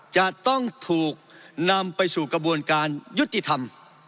จะต้องถูกนำไปสู่กระบวนการยุติธรรม